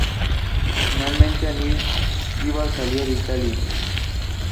Finalmente Aníbal salió de Italia.